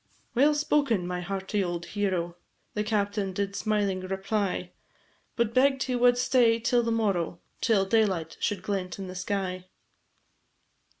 "Well spoken, my hearty old hero," The captain did smiling reply, But begg'd he wad stay till to morrow, Till daylight should glent in the sky.